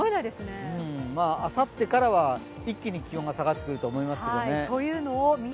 あさってからは一気に気温が下がってきますけどね。